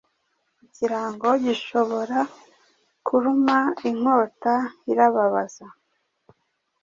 Ikirango gishobora kurumainkotairababaza